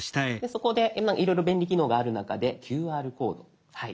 そこでいろいろ便利機能がある中でＱＲコードはい。